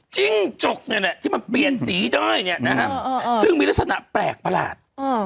จิ้งจกที่มันเปลี่ยนสีด้วยซึ่งมีลักษณะแปลกประหลาด